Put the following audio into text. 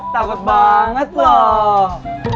takut banget loh